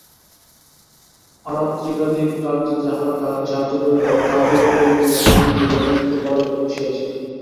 আরাত্রিকাদি কার্যে যাহারা তাঁহাকে সাহায্য করিত, তাহাদিগকেও লইয়া স্বামীজী বেদান্ত পড়াইতে বসিয়াছিলেন।